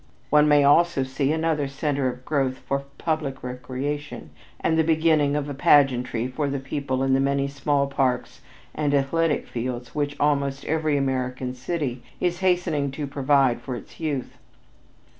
One may also see another center of growth for public recreation and the beginning of a pageantry for the people in the many small parks and athletic fields which almost every American city is hastening to provide for its young.